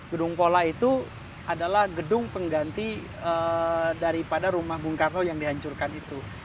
gedung pola itu adalah gedung pengganti daripada rumah bung karno yang dihancurkan itu